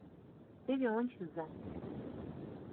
Теве ончыза: